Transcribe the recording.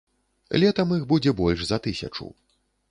Летам іх будзе больш за тысячу.